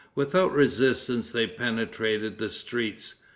Without resistance they penetrated the streets.